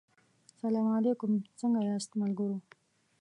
سلا علیکم څنګه یاست ملګرو